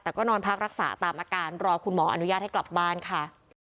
แต่ก็นอนพักรักษาตามอาการรอคุณหมออนุญาตให้กลับบ้านค่ะ